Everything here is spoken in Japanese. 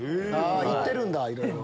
行ってるんだいろいろ。